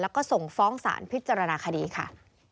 แล้วก็ส่งฟ้องสารพิจารณาคดีค่ะ